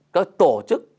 các tổ chức